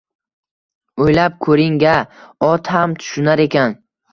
O`ylab ko`rgin-a, ot ham tushunar ekan